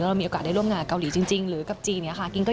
ถ้ามีโอกาสลงที่เราได้